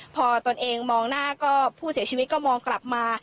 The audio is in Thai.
พอตนเองมองหน้าก็ผู้เสียชีวิตก็มองกลับมา